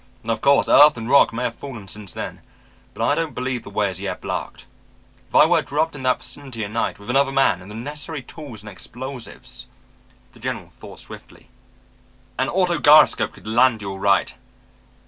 Of course earth and rock may have fallen since then, but I don't believe the way is yet blocked. If I were dropped in that vicinity at night with another man and the necessary tools and explosives...." The general thought swiftly. "An auto gyroscope could land you all right.